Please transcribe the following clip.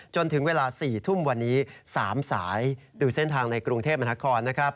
จนถึงเวลา๔ทุ่มวันนี้๓สายดูเส้นทางในกรุงเทพมหานครนะครับ